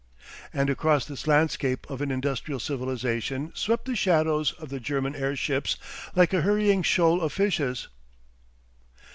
And across this landscape of an industrial civilisation swept the shadows of the German airships like a hurrying shoal of fishes....